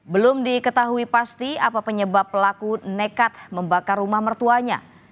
belum diketahui pasti apa penyebab pelaku nekat membakar rumah mertuanya